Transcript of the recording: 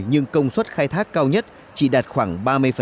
nhưng công suất khai thác cao nhất chỉ đạt khoảng ba mươi